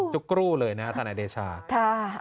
กรูเลยนะทนายเดชา